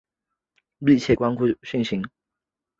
密切关注汛情预报